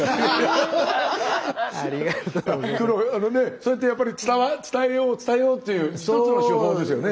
そうやってやっぱり伝えよう伝えようっていう一つの手法ですよね。